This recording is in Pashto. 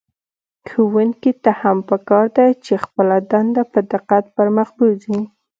ښوونکي ته هم په کار ده چې خپله دنده په دقت پر مخ بوځي.